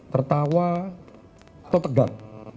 tertawa atau tegang